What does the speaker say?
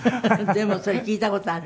でもそれ聞いた事ある。